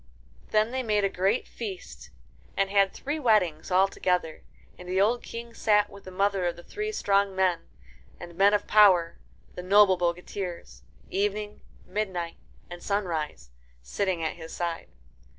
Then they made a great feast, and had three weddings all together, and the old King sat with the mother of the three strong men, and men of power, the noble bogatirs, Evening, Midnight, and Sunrise, sitting at his side.